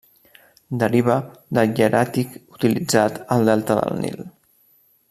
Deriva del hieràtic utilitzat al delta del Nil.